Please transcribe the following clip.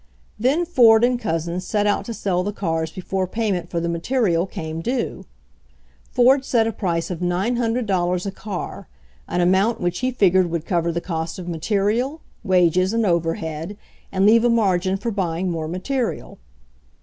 Then Ford and Couzens set out to sell the cars before payment for the material came due. Ford set a price of $900 a car, an amount which he figured would cover the cost of material, wages and overhead and leave a margin for buying more material.